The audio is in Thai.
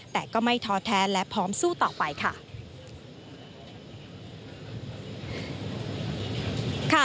แต่ก็ไม่ท้อแท้และพร้อมสู้ต่อไปค่ะ